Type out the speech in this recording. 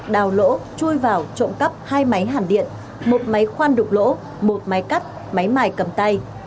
đào lỗ chui vào trộm cắp hai máy hàn điện một máy khoan đục lỗ một máy cắt máy mài cầm tay